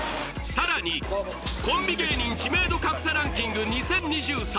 さらにコンビ芸人知名度格差ランキング２０２３